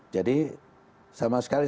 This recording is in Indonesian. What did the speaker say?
jadi sama sekali